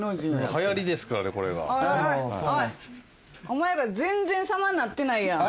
お前ら全然様になってないやん。